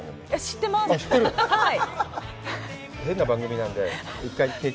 はい。